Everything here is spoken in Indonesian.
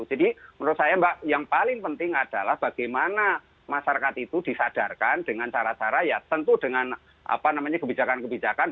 menurut saya mbak yang paling penting adalah bagaimana masyarakat itu disadarkan dengan cara cara ya tentu dengan kebijakan kebijakan